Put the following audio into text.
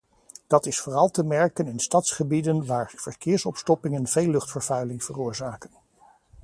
Dat is vooral te merken in stadsgebieden waar verkeersopstoppingen veel luchtvervuiling veroorzaken.